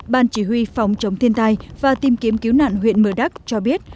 ban chỉ huy phóng chống thiên tài và tìm kiếm cứu nạn huyện mờ đắc cho biết